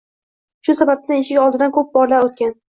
Shu sababdan eshigi oldidan ko'p bor o'tgan